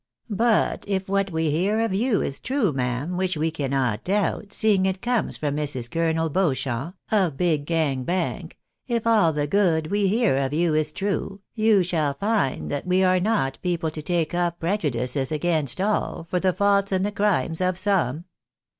But if what we hear of you is true, ma'am, which we cannot doubt, seeing it comes from Mrs. Colonel Beauchamp, of Big Gang Bank, if all the good we hear of you is true, you shall find that we are not people to take up pre judices against all, for the faults and the crimes of some.